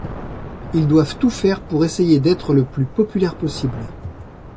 Ils doivent tout faire pour essayer d'être le plus populaire possible.